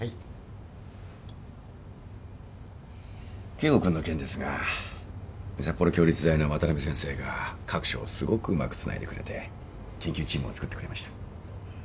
圭吾君の件ですが札幌共立大の渡辺先生が各所をすごくうまくつないでくれて研究チームをつくってくれました。